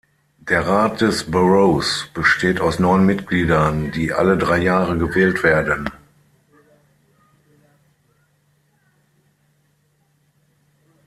Der Rat des Boroughs besteht aus neun Mitgliedern, die alle drei Jahre gewählt werden.